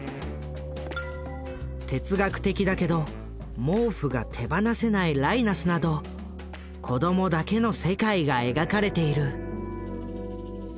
哲学的だけど毛布が手放せないライナスなど子供だけの世界が描かれている。